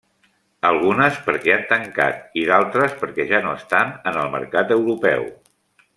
Algunes perquè han tancat i d'altres perquè ja no estan en el mercat europeu.